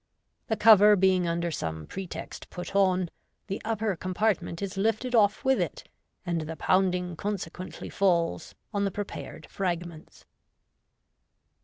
The cover being under some pretext put on, the upper compartment is lifted off with it, and the pounding consequently falls on the pre pared fragments.